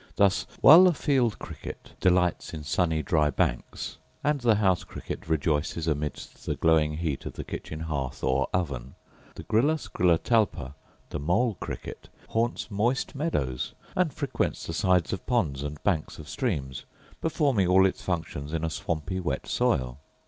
Thus, while the field cricket delights in sunny dry banks, and the house cricket rejoices amidst the glowing heat of the kitchen hearth or oven, the gryllus gryllotalpa (the mole cricket) haunts moist meadows, and frequents the sides of ponds and banks of streams, performing all its functions in a swampy wet soil.